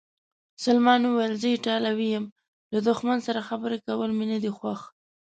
سلمان وویل: زه ایټالوی یم، له دښمن سره خبرې کول مې نه دي خوښ.